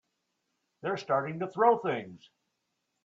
They're starting to throw things!